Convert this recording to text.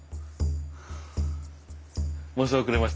申し遅れました。